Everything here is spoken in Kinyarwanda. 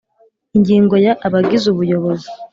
Ingingo ya Abagize Ubuyobozi